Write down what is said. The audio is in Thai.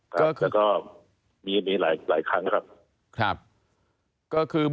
มาคำหา